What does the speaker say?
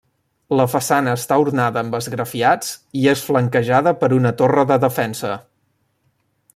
La façana està ornada amb esgrafiats i és flanquejada per una torre de defensa.